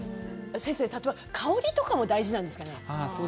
先生、例えば香りとかも大事なんですかね。